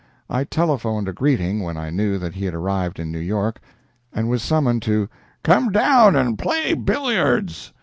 I telephoned a greeting when I knew that he had arrived in New York, and was summoned to "come down and play billiards."